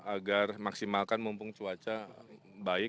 agar maksimalkan mumpung cuaca baik